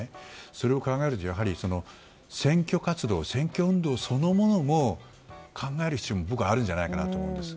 それを考えると選挙活動、選挙運動そのものも考える必要があるんじゃないかなと僕は思います。